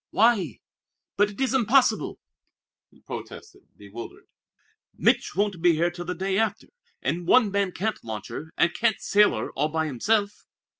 "Why? But it is impossible!" he protested, bewildered. "Mich' won't be here till the day after and one man can't launch her, and can't sail her all by himself."